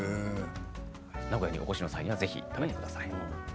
名古屋にお越しの際はぜひ食べてください。